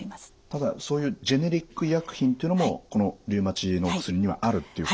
ただそういうジェネリック医薬品というのもこのリウマチの薬にはあるっていうこと。